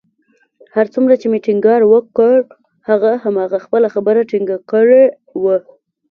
هر څومره چې مې ټينګار وکړ، هغه همهغه خپله خبره ټینګه کړې وه